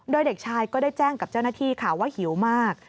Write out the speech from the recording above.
โดยเด็กชายก็ได้แจ้งกับเจ้าหน้าที่ค่ะว่าหิวมาก